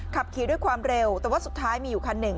ขับขี่ด้วยความเร็วแต่ว่าสุดท้ายมีอยู่คันหนึ่ง